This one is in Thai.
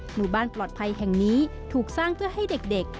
หมู่บ้านปลอดภัยแห่งนี้ถูกสร้างเพื่อให้เด็ก